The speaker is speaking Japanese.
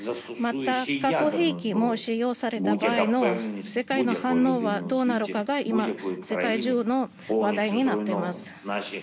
また、核兵器を使用された場合の世界の反応はどうなるかが今世界中の話題になっています。